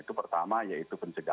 itu pertama yaitu pencegahan